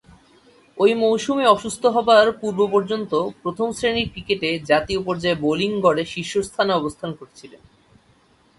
ঐ মৌসুমে অসুস্থ হবার পূর্ব-পর্যন্ত প্রথম-শ্রেণীর ক্রিকেটে জাতীয় পর্যায়ে বোলিং গড়ে শীর্ষস্থানে অবস্থান করছিলেন।